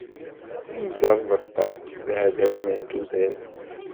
Imẓeṛbeṭṭa d iɛdawen n tudert.